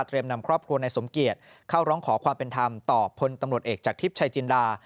นำครอบครัวนายสมเกียจเข้าร้องขอความเป็นธรรมต่อพลตำรวจเอกจากทิพย์ชายจินดา